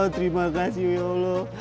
terima kasih ya allah